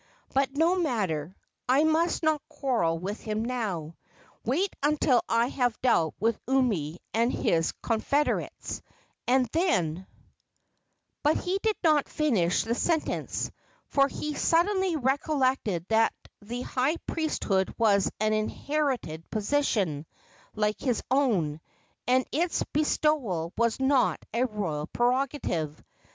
But no matter; I must not quarrel with him now. Wait until I have dealt with Umi and his confederates, and then " But he did not finish the sentence, for he suddenly recollected that the high priesthood was an inherited position, like his own, and its bestowal was not a royal prerogative.